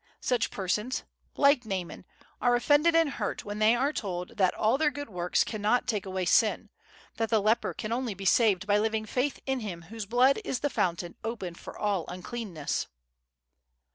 Such persons, like Naaman, are offended and hurt when they are told that all their good works cannot take away sin; that the leper can only be saved by living faith in Him whose blood is the fountain opened for all uncleanness."